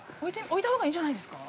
置いたほうがいいんじゃないですか。